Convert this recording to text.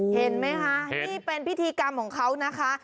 เห็นไหมคะนี่เป็นพิธีกรรมของเขานะคะ